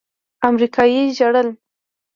امريکايي ژړل.